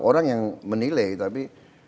orang yang menilai tapi